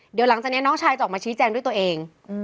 เดี๋ยวหลังจากนี้น้องชายจะออกมาชี้แจงด้วยตัวเอง